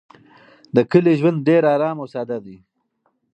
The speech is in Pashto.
د کلي ژوند ډېر ارام او ساده دی.